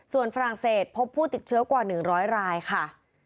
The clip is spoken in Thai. ส่วนฝรั่งเศสพบผู้ติดเชื้อกว่า๑๐๐รายค่ะ